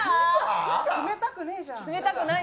冷たくねぇじゃん。